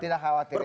tidak khawatir ya